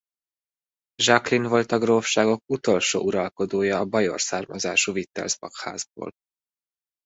Jacqueline volt a grófságok utolsó uralkodója a bajor származású Wittelsbach-házból.